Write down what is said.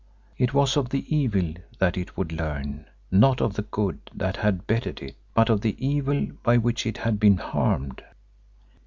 It was of the evil that it would learn, not of the good that had bettered it, but of the evil by which it had been harmed.